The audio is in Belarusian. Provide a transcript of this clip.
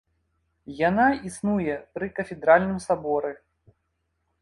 Яна існуе пры кафедральным саборы.